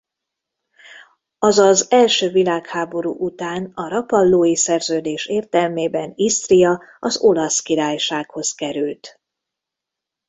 Az Az első világháború után a rapallói szerződés értelmében Isztria az Olasz Királysághoz került.